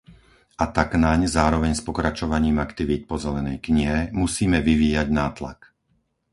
A tak naň, zároveň s pokračovaním aktivít po zelenej knihe, musíme vyvíjať nátlak.